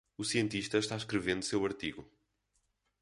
O cientista está escrevendo seu artigo.